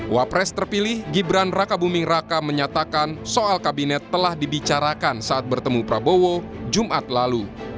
wapres terpilih gibran raka buming raka menyatakan soal kabinet telah dibicarakan saat bertemu prabowo jumat lalu